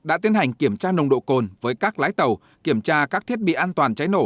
đã tiến hành kiểm tra nồng độ cồn với các lái tàu kiểm tra các thiết bị an toàn cháy nổ